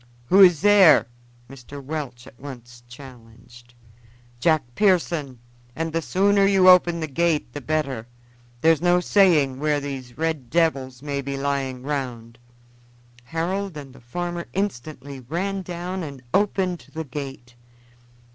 "Who is there?" Mr. Welch at once challenged. "Jack Pearson, and the sooner you open the gate the better. There's no saying where these red devils may be lying round." Harold and the farmer instantly ran down and opened the gate.